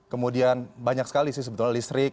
kemudian banyak sekali sih sebetulnya listrik